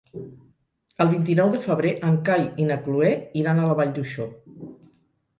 El vint-i-nou de febrer en Cai i na Cloè iran a la Vall d'Uixó.